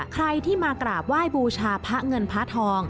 ใครที่มากราบไหว้บูชาพระเงินพระทอง